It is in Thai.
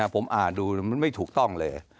ผมอ่านดูมันไม่ถูกต้องเลย